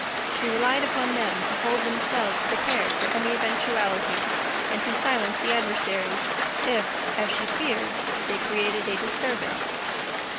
She relied upon them to hold themselves prepared for any eventuality and to silence the adversaries, if, as she feared, they created a disturbance.